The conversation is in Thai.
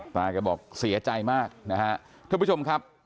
ล่าแกบอกเสียใจมากนะท่านผู้ชมนะครับ